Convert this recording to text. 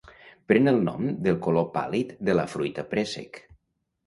Pren el nom del color pàl·lid de la fruita préssec.